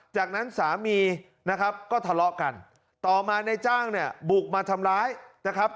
จากนั้นสามีนะครับก็ทะเลาะกันต่อมาในจ้างเนี่ยบุกมาทำร้ายนะครับ